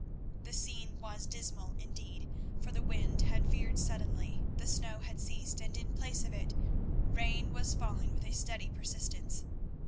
The scene was dismal indeed, for the wind had veered suddenly, the snow had ceased, and in place of it rain was falling with a steady persistence.